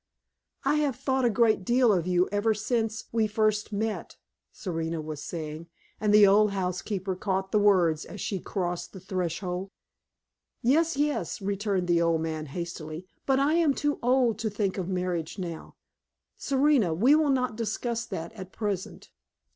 "I have thought a great deal of you ever since we first met," Serena was saying, and the old housekeeper caught the words as she crossed the threshold. "Yes, yes," returned the old man, hastily, "but I am too old to think of marriage now. Serena, we will not discuss that at present."